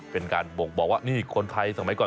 เป็นการบ่งบอกว่านี่คนไทยสมัยก่อน